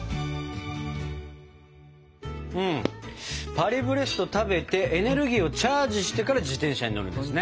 パリブレスト食べてエネルギーをチャージしてから自転車に乗るんですね。